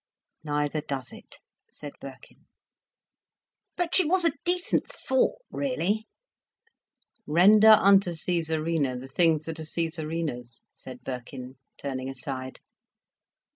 "Neither does it," said Birkin. "But she was a decent sort, really—" "Render unto Cæsarina the things that are Cæsarina's," said Birkin, turning aside.